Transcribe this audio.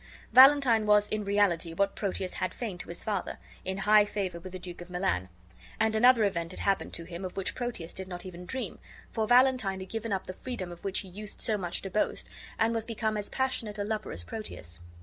Valentine was in reality, what Proteus had feigned to his father, in high favor with the Duke of Milan; and another event had happened to him of which Proteus did not even dream, for Valentine had given up the freedom of which he used so much to boast, and was become as passionate a lover as Proteus.